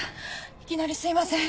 いきなりすいません